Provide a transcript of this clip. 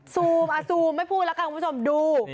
ซูมอ่ะซูมไม่พูดแล้วค่ะคุณผู้ชมดู